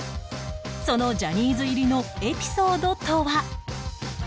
そのジャニーズ入りのエピソードとは？